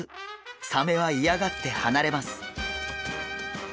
サメは嫌がって離れます。